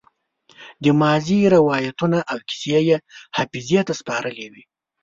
د ماضي روايتونه او کيسې يې حافظې ته سپارلې وي.